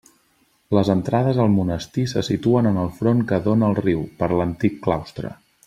Les entrades al monestir se situen en el front que dóna al riu, per l'antic claustre.